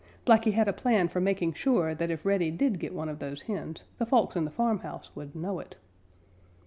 Blacky had a plan for making sure that if Reddy did get one of those hens the folks in the farmhouse would know it.